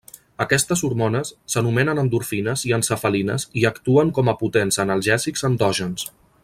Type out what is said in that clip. Aquestes hormones s'anomenen endorfines i encefalines i actuen com a potents analgèsics endògens.